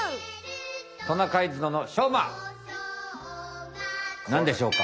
トナカイ角のしょうま！なんでしょうか？